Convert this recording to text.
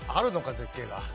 絶景が。